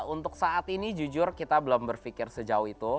untuk saat ini jujur kita belum berpikir sejauh itu